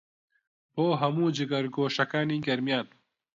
بۆ هەموو جگەرگۆشەکانی گەرمیان